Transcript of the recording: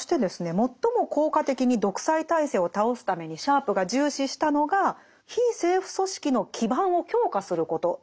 最も効果的に独裁体制を倒すためにシャープが重視したのが非政府組織の基盤を強化することなんですね。